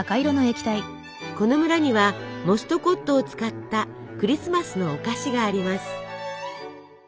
この村にはモストコットを使ったクリスマスのお菓子があります。